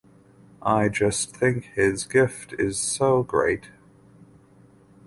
I just think his gift is so great.